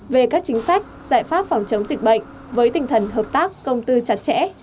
về các chính sách giải pháp phòng chống dịch bệnh với tinh thần hợp tác công tư chặt chẽ